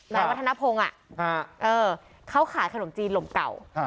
นายวัฒนภงเขาขายขนมจีนลมเก่า